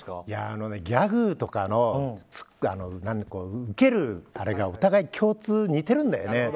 あのね、ギャグとかのウケるあれがお互い似てるんだよね。